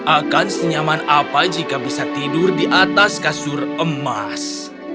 akan senyaman apa jika bisa tidur di atas kasur emas